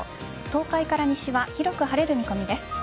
東海から西は広く晴れる見込みです。